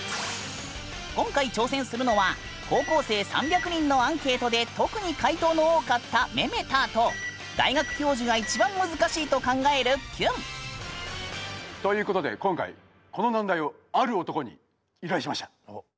今回挑戦するのは高校生３００人のアンケートで特に回答の多かった「メメタァ」と大学教授が一番難しいと考える「キュン」。ということで今回この難題をある男に依頼しました。